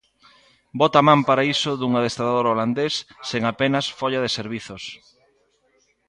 Bota man para iso dun adestrador holandés sen apenas folla de servizos.